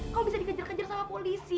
kok bisa dikejar kejar sama polisi